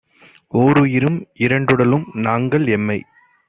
ஓருயிரும் இரண்டுடலும் நாங்கள்! எம்மை